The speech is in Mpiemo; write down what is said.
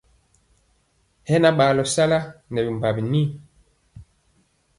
Hɛ na ɓaalɔ sala ndi nɛ bimbawi ni.